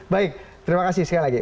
baik terima kasih sekali lagi